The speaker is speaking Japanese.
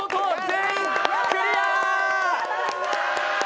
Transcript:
全員クリア！